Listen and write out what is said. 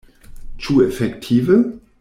Ĉu efektive?